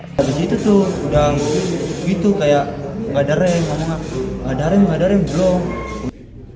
daging itu tuh udah gitu kayak gak ada rem gak ada rem gak ada rem belum